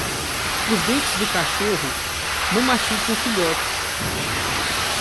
Os dentes do cachorro não machucam filhotes.